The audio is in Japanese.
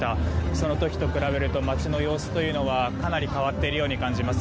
その時と比べると街の様子というのはかなり変わっているように感じます。